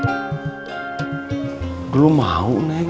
emang kenapa kalau di pulang